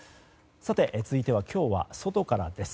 続いては、今日は外からです。